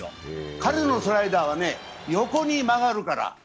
彼のスライダーは横に曲がるから。